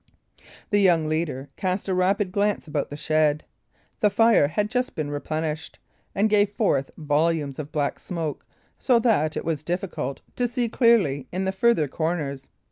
The young leader cast a rapid glance about the shed. The fire had just been replenished, and gave forth volumes of black smoke, so that it was difficult to see clearly in the further corners.